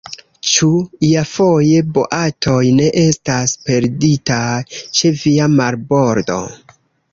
Ĉu iafoje boatoj ne estas perditaj ĉe via marbordo?